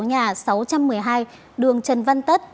nhà sáu trăm một mươi hai đường trần văn tất